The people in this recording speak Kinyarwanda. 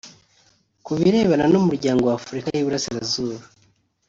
Ku birebana n’Umuryango wa Afurika y’Iburasirazuba